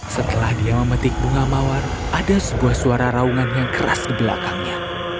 setelah dia memetik bunga mawar ada sebuah suara raungan yang keras di belakangnya